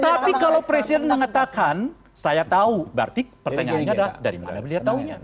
tapi kalau presiden mengatakan saya tahu berarti pertanyaannya adalah dari mana beliau tahunya